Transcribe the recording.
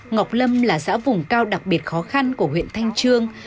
ngọc lâm là xã vùng cao đặc biệt khó khăn của huyện thanh trương